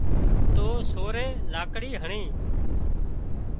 تو سورئي لاڪڙي هڻي